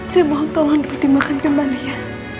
saya mohon tolong dipertimbangkan kembali ya